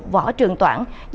võ trường tòa học